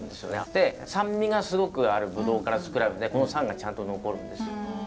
で酸味がすごくあるブドウから造られるんでこの酸がちゃんと残るんですよ。